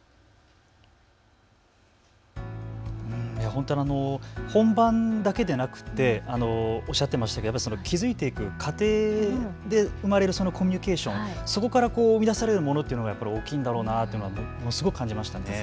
本当に本番だけでなくておっしゃっていましたけれども築いていく過程で生まれる、そのコミュニケーション、そこから生み出されるものというのが大きいんだろうなというのがものすごく感じました。